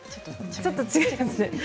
ちょっと違います。